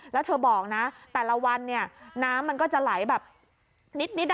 แล้วเธอบอกนะแต่ละวันเนี่ยน้ำมันก็จะไหลแบบนิด